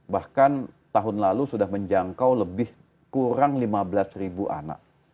bahkan tahun lalu sudah menjangkau lebih kurang lima belas ribu anak